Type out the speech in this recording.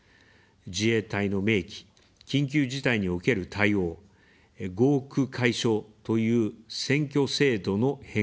自衛隊の明記、緊急事態における対応、合区解消という選挙制度の変更、そして、教育の充実。